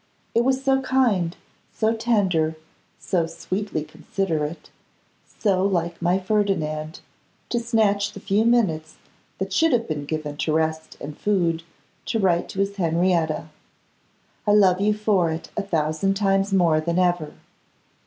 It was so kind, so tender, so sweetly considerate, so like my Ferdinand, to snatch the few minutes that should have been given to rest and food to write to his Henrietta. I love you for it a thousand times more than ever!